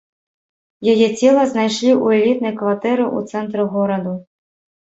Яе цела знайшлі ў элітнай кватэры ў цэнтры гораду.